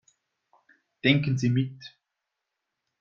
Denken Sie mit.